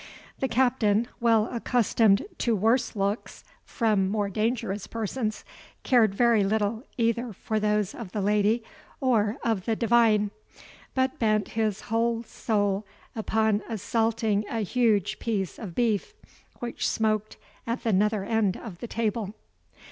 The Captain, well accustomed to worse looks from more dangerous persons, cared very little either for those of the lady or of the divine, but bent his whole soul upon assaulting a huge piece of beef, which smoked at the nether end of the table.